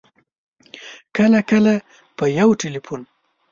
کله کله په یو ټېلفون